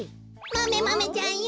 マメマメちゃん？